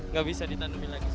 nggak bisa ditandemi lagi